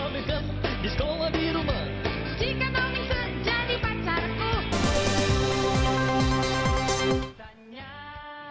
jika mau bisa jadi pacarku